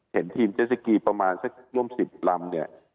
เห็นทีมเจสกีประมาณพิเศษกควงด้วย๑๐ลำเนี่ย